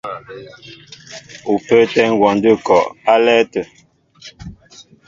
Ú pə́ə́tɛ́ ngwɔndə́ a kɔ álɛ́ɛ́ tə̂.